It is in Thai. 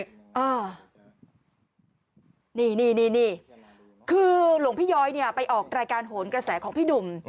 นี่นี่คือหลวงพี่ย้อยเนี่ยไปออกรายการโหนกระแสของพี่หนุ่ม